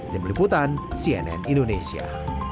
tim liputan cnn indonesia